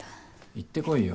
行ってこいよ。